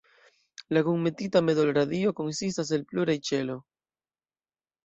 La "kunmetita medolradio"konsistas el pluraj ĉelo.